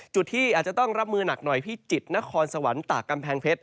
จุดที่อาจจะต้องรับมือหนักหน่อยพิจิตรนครสวรรค์ตากกำแพงเพชร